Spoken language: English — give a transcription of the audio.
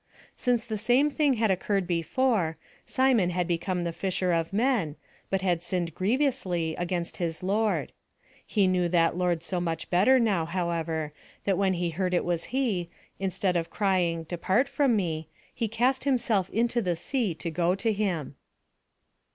Since the same thing had occurred before, Simon had become the fisher of men, but had sinned grievously against his Lord. He knew that Lord so much better now, however, that when he heard it was he, instead of crying Depart from me, he cast himself into the sea to go to him.